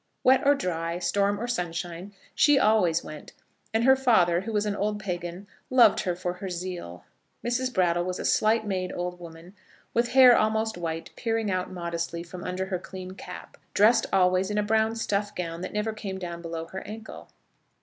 Wet or dry, storm or sunshine, she always went; and her father, who was an old Pagan, loved her for her zeal. Mrs. Brattle was a slight made old woman, with hair almost white peering out modestly from under her clean cap, dressed always in a brown stuff gown that never came down below her ankle.